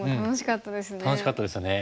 楽しかったですよね。